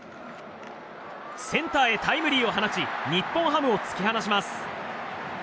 センターへタイムリーを放ち日本ハムを突き放します。